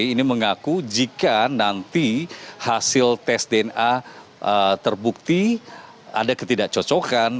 ini mengaku jika nanti hasil tes dna terbukti ada ketidakcocokan